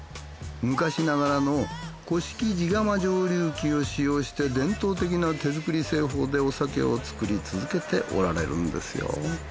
昔ながらの古式地釜蒸留機を使用して伝統的な手づくり製法でお酒を造り続けておられるんですよ。